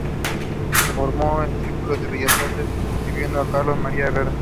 Se formó en el Círculo de Bellas Artes de Montevideo con Carlos María Herrera.